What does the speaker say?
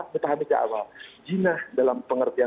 kita paham itu awal jinnah dalam pengertian